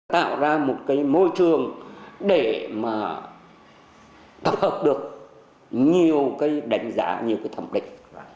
tạo ra một môi trường để tập hợp được nhiều đánh giá thẩm định